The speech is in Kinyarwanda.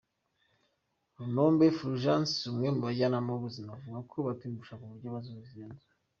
Runombe Fulgence, umwe mu bajyanama b’ubuzima avuga ko batiyumvishaga uburyo bazuzuza iyo nzu.